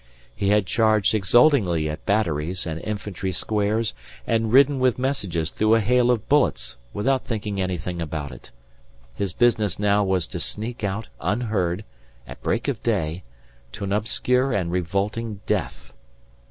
He had charged exultingly at batteries and infantry squares and ridden with messages through a hail of bullets without thinking anything about it. His business now was to sneak out unheard, at break of day, to an obscure and revolting death.